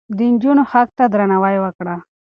د نجونو حق ته درناوی وکړه.